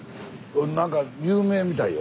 何か有名みたいよ。